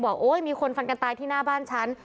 โอ๊ยมีคนฟันกันตายที่หน้าบ้านฉัน